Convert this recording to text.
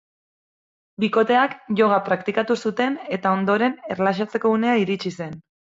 Bikoteak yoga praktikatu zuten eta, ondoren, erlaxatzeko unea iritsi zen.